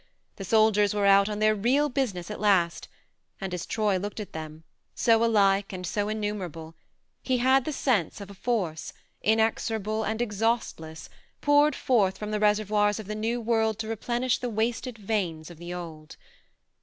The soldiers were out on their real business at last, and as Troy looked at them, so alike and so innumerable, he had the sense of a force, inexorable and exhaustless, poured forth from the reservoirs of the new world to replenish the wasted veins of the old.